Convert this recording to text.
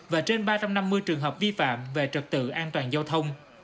và trên ba trăm năm mươi trường hợp vi phạm về trật tự an toàn giao thông